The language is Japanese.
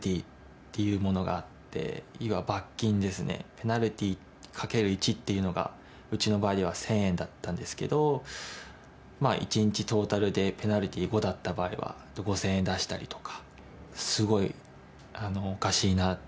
ペナルティーかける１っていうのがうちの場合は１０００円だったんですけど１日トータルでペナルティー５だった場合は５０００円を出したりとか。